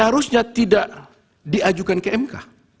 harusnya tidak diajukan ke mk